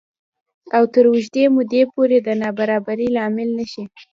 او تر اوږدې مودې پورې د نابرابرۍ لامل نه شي